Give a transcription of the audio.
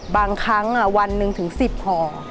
บางครั้งวันหนึ่งถึง๑๐ห่อ